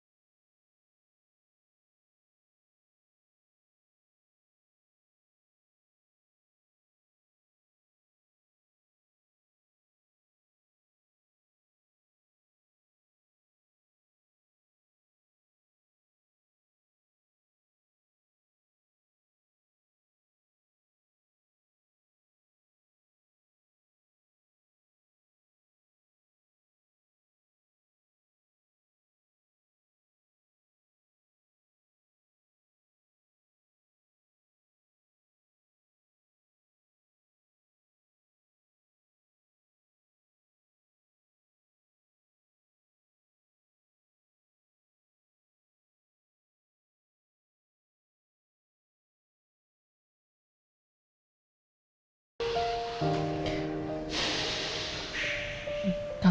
tapi mengapakah perang yang mereka lakukan